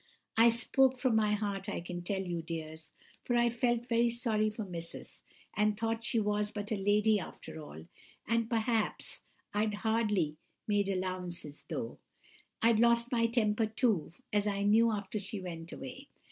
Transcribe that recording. "I spoke from my heart, I can tell you, dears, for I felt very sorry for Missus, and thought she was but a lady after all, and perhaps I'd hardly made allowances enough. I'd lost my temper, too, as I knew after she went away.